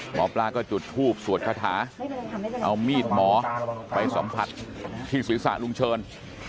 หมอปลาก็จุดทูบสวดคาถาเอามีดหมอไปสัมผัสที่ศีรษะลุงเชิญ